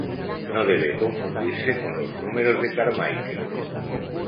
No debe confundirse con los números de Carmichael.